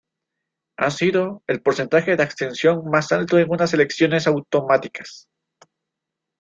Ha sido el porcentaje de abstención más alto en unas elecciones autonómicas.